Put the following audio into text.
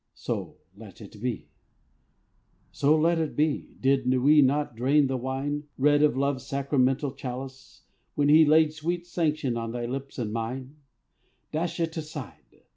So let it be. So let it be. Did we not drain the wine, Red, of love's sacramental chalice, when He laid sweet sanction on thy lips and mine? Dash it aside!